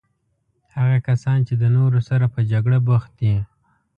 هغه کسان چې د نورو سره په جګړه بوخت دي.